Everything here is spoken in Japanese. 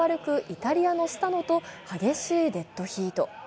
イタリアのスタノと激しいデッドヒート。